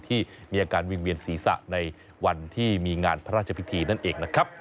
ที่มีอาการวิ่งเวียนศีรษะในวันที่มีงานพระราชพิธีนั่นเองนะครับ